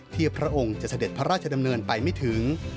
พระองค์จะเสด็จพระราชดำเนินไปไม่ถึง